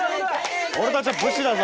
俺たちは武士だぞ。